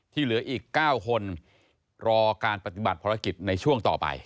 เหลืออีก๙คนรอการปฏิบัติภารกิจในช่วงต่อไป